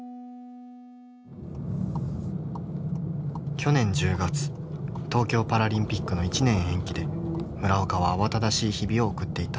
去年１０月東京パラリンピックの１年延期で村岡は慌ただしい日々を送っていた。